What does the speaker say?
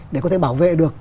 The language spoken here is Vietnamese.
để có thể bảo vệ được